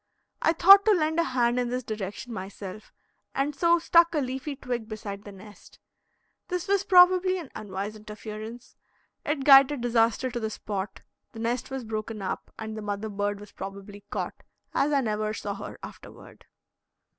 I thought to lend a hand in this direction myself, and so stuck a leafy twig beside the nest. This was probably an unwise interference; it guided disaster to the spot; the nest was broken up, and the mother bird was probably caught, as I never saw her afterward.